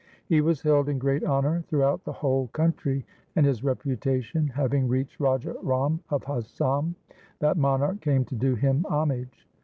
He was held in great honour throughout the whole country, and his reputation having reached Raja Ram of Asam, that monarch came to do him homage.